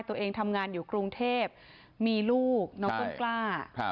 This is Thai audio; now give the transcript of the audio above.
ตัวเองทำงานอยู่กรุงเทพมีลูกน้องต้นกล้า